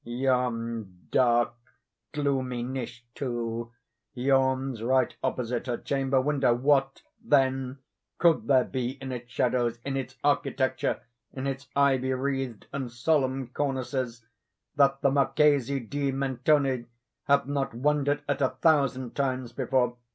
Yon dark, gloomy niche, too, yawns right opposite her chamber window—what, then, could there be in its shadows—in its architecture—in its ivy wreathed and solemn cornices—that the Marchesa di Mentoni had not wondered at a thousand times before?